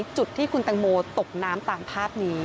จุดที่คุณแตงโมตกน้ำตามภาพนี้